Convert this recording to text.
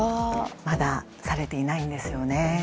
まだ、されていないんですよね。